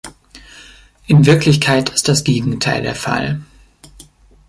In Wirklichkeit ist das Gegenteil der Fall.